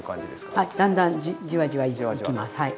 あっだんだんじわじわいきます。